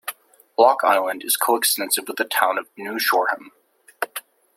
Block Island is coextensive with the town of New Shoreham.